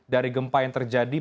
dari gempa yang terjadi